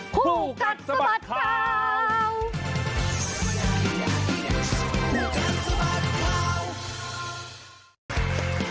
ผู้กัดสมัรค์ข่าว